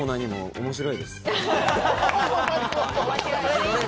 面白いです。